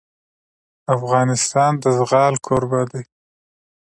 افغانستان د زغال کوربه دی.